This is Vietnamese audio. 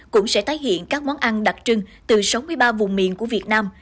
cũng sẽ tái hiện các món ăn đặc trưng từ sáu mươi ba vùng miền của việt nam